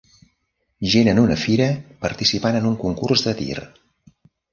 Gent en una fira participant en un concurs de tir.